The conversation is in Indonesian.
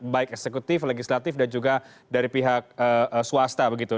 baik eksekutif legislatif dan juga dari pihak swasta begitu